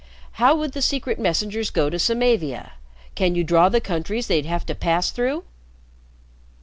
How would the Secret Messengers go to Samavia? Can you draw the countries they'd have to pass through?"